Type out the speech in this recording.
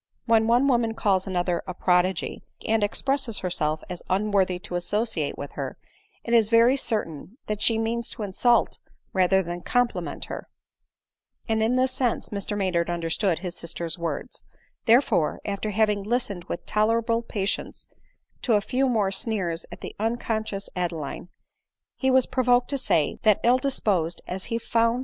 When one woman calls another a prodigy, and expresses herself as unworthy to associate with her, it is very cer tain that she' means to insult rather than compliment her ; and in this sense Mr Maynard understood his sister's words ; therefore, after having listened with tolerable patience to a few more sneers at the unconscious Adeline, he was provoked to say, that ill disposed as he found ADELINE MOWBRAY.